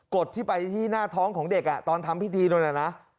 กดที่ไปที่หน้าท้องของเด็กอ่ะตอนทำพิธีโดยนะ